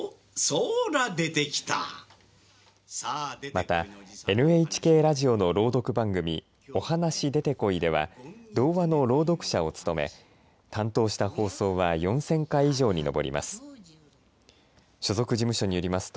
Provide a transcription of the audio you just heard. またＮＨＫラジオの朗読番組、お話でてこいでは童話の朗読者を務め、担当した放送は４０００回以上に上ります。